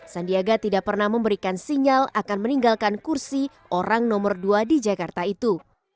sandiaga tidak pernah memberikan sinyal akan meninggalkan kursi orang nomor dua di jakarta itu